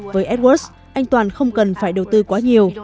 với edward anh toàn không cần phải đầu tư quá nhiều